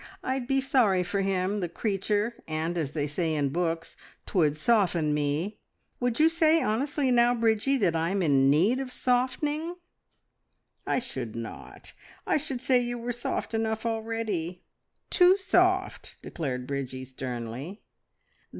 I'd be sorry for him, the creature! And, as they say in books, 'twould soften me. Would you say honestly, now, Bridgie, that I'm in need of softening?" "I should not. I should say you were soft enough already. Too soft!" declared Bridgie sternly.